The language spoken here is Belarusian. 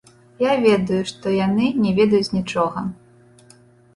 Я ведаю, што яны не ведаюць нічога.